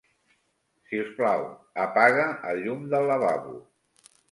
Si us plau, apaga el llum del lavabo.